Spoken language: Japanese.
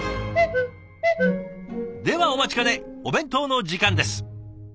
ではお待ちかねお弁当の時間です。